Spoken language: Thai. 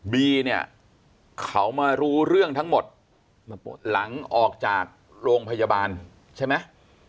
บีเนี่ยเขามารู้เรื่องทั้งหมดหลังออกจากโรงพยาบาลใช่ไหม